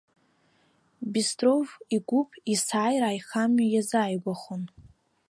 Бистров игәыԥ есааира аихамҩа иазааигәахон.